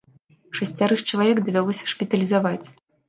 Шасцярых чалавек давялося шпіталізаваць.